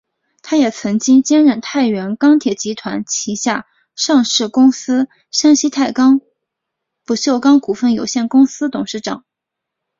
他也曾经兼任太原钢铁集团旗下上市公司山西太钢不锈钢股份有限公司董事长。